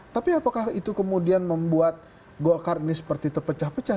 tapi apakah itu kemudian membuat golkar ini seperti terpecah pecah